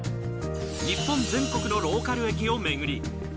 日本全国のローカル駅を巡り